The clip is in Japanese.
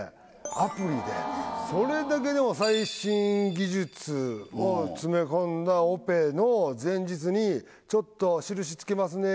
アプリでそれだけでも。を詰め込んだオペの前日に「ちょっと印つけますね」